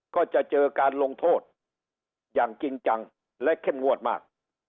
ก็จะเจอการลงโทษอย่างจริงจังและเข้มงวดมาก